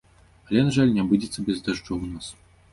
Але, на жаль, не абыдзецца без дажджоў у нас.